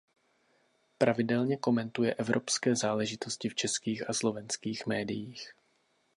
Pravidelně komentuje evropské záležitosti v českých a slovenských médiích.